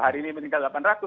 hari ini meninggal delapan ratus